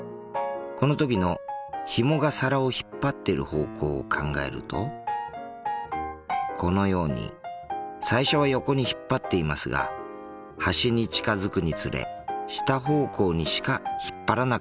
この時のひもが皿を引っ張ってる方向を考えるとこのように最初は横に引っ張っていますが端に近づくにつれ下方向にしか引っ張らなくなります。